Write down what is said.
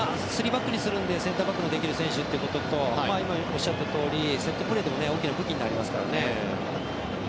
３バックにするのでセンターバックでのできる選手ってことと今おっしゃったとおりセットプレーでも大きな武器になるので。